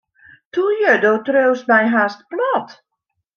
Toe ju, do triuwst my hast plat.